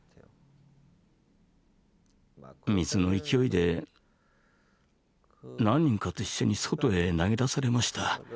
水の勢いで何人かと一緒に外へ投げ出されました。